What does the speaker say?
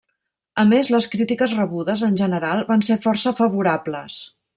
A més, les crítiques rebudes, en general, van ser força favorables.